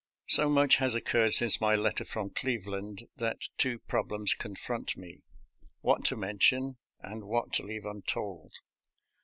So much has occurred since my letter from Cleveland that two problems confront me : what to mention, and what to leave untold.